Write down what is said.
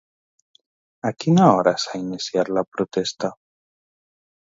A quina hora s'ha iniciat la protesta?